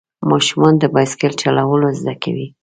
ماشومان د بایسکل چلول زده کوي.